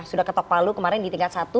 sudah ke topalu kemarin di tingkat satu